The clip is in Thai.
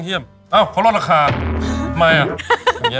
เพราะลดราคาทำไมอ่ะ